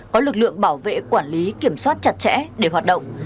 có lực lượng bảo vệ quản lý kiểm soát chặt chẽ để hoạt động